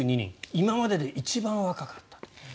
今までで一番若かったと。